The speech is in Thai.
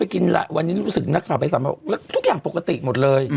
คือ